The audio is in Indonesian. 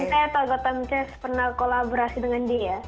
saya tahu gotham chess pernah kolaborasi dengan dia